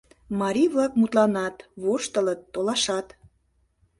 Марий-влак мутланат, воштылыт-толашат.